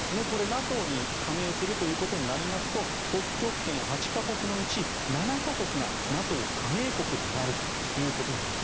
ＮＡＴＯに加盟するということになりますと北極圏８か国のうち７か国がＮＡＴＯ加盟国になるということなんです。